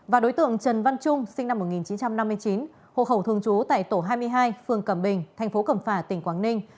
và đối tượng trần văn trung sinh năm một nghìn chín trăm năm mươi chín hộ khẩu thường trú tại tổ hai mươi hai phường cẩm bình thành phố cẩm phả tỉnh quảng ninh